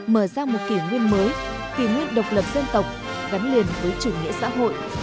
mở ra một kỷ nguyên mới kỷ nguyên độc lập dân tộc gắn liền với chủ nghĩa xã hội